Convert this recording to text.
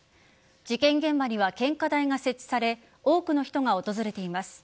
事件現場には献花台が設置され多くの人が訪れています。